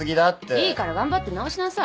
いいから頑張って直しなさい。